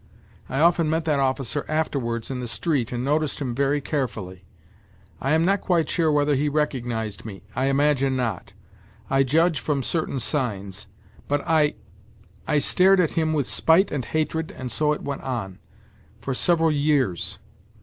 I often met that officer afterwards in the street and noticed him very carefully. I am not quite sure whether he recognized me, I imagine not; I judge from certain signs. But I I stared at him with spite and hatred and so it went on ... for several years